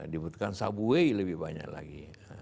dibutuhkan subway lebih banyak lagi